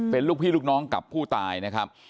เป็นลูกพี่ลูกน้องกับผู้ตายนะครับ